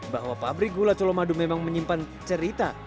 bahwa pabrik gula colomadu memang menyimpan cerita